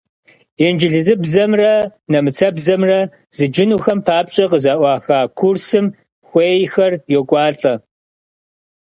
Инджылызыбзэмрэ нэмыцэбзэмрэ зыджынухэм папщӀэ къызэӀуаха курсым хуейхэр йокӀуалӀэ.